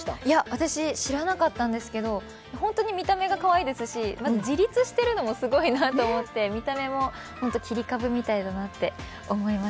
私、知らなかったんですけどホントに見た目がかわいいですし自立しているのもすごいなと思って見た目も切り株みたいだなと思います。